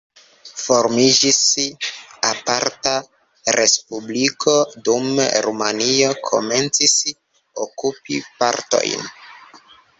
Formiĝis aparta respubliko, dume Rumanio komencis okupi partojn.